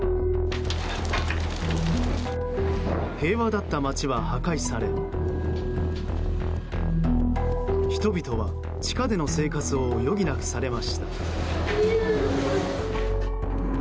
平和だった街は破壊され人々は地下での生活を余儀なくされました。